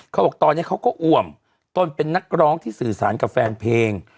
เขาบอกตอนนี้เขาก็อ่วมตนเป็นนักร้องที่สื่อสารกับแฟนเพลง